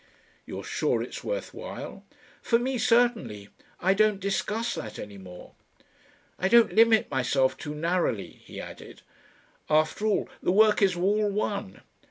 "You're sure it's worth while." "For me certainly. I don't discuss that any more." "I don't limit myself too narrowly," he added. "After all, the work is all one.